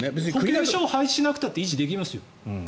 保険証を廃止しなくたって維持できますよ。